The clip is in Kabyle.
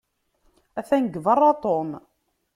Atan deg beṛṛa Tom.